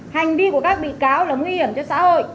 hành vi của các bị cáo là nguy hiểm cho xã hội